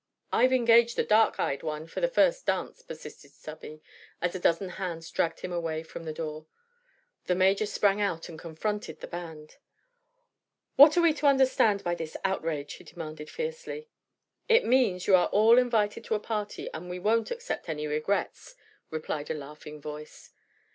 "I've engaged the dark eyed one for the first dance," persisted Stubby, as a dozen hands dragged him away from the door. The Major sprang out and confronted the band. "What are we to understand by this outrage?" he demanded fiercely. "It means you are all invited to a party, and we won't accept any regrets," replied a laughing voice.